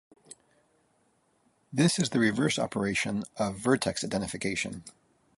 This is the reverse operation of vertex identification.